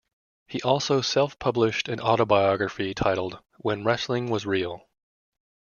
He also self-published an autobiography titled "When Wrestling Was Real".